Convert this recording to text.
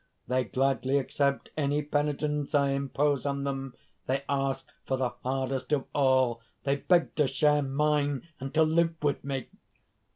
They gladly accept any penitence I impose on them. They ask for the hardest of all; they beg to share mine and to live with me.